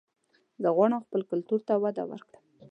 زه غواړم خپل کلتور ته وده ورکړم